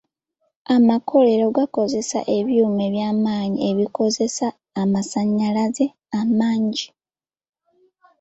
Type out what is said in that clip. Amakolero gakozesa ebyuma eby'amaanyi ebikozesa amasannyalaze amangi.